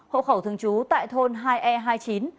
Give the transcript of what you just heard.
hộ khẩu thường trú tại thôn hai e hai mươi chín